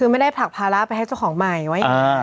คือไม่ได้ผลักภาระไปให้เจ้าของใหม่ว่าอย่างนี้